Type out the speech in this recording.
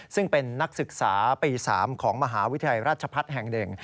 ซึ่งเป็นนักศึกษาปี๓ของมหาวิทยาลัยราชพัฒน์แห่ง๑